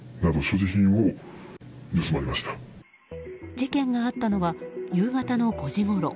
事件があったのは夕方の５時ごろ。